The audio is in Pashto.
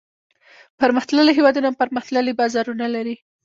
پرمختللي هېوادونه پرمختللي بازارونه لري.